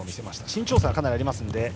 身長差がかなりあります。